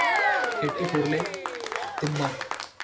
கெட்டிப் பொருளே திண்மம்.